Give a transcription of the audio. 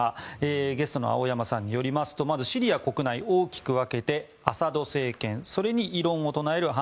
ゲストの青山さんによりますとまずシリア国内、大きく分けてアサド政権それに異論を唱える反